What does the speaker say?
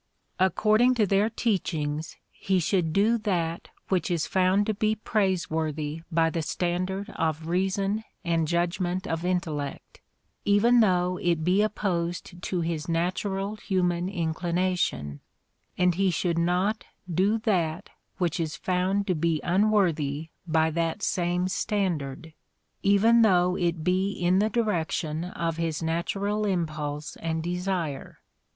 According to their teachings he should do that which is found to be praiseworthy by the standard of reason and judgment of intellect, even though it be opposed to his natural human inclination; and he should not do that which is found to be unworthy by that same standard, even though it be in the direction of his natural impulse and desire.